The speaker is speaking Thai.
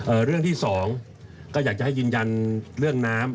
เรื่องที่สองก็อยากจะให้ยืนยันเรื่องน้ำ